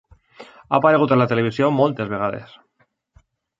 Ha aparegut a la televisió moltes vegades.